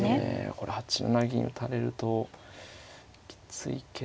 これ８七銀打たれるときついけど。